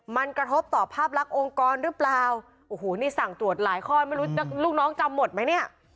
มันกระทบต่อภาพลักษณ์องค์กรหรือเปล่าโอ้โหนี่สั่งตรวจหลายข้อไม่รู้ลูกน้องจำหมดไหมเนี่ย